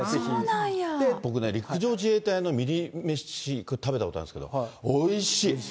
僕ね、陸上自衛隊のミリメシ、食べたことあるんですけど、おいしい。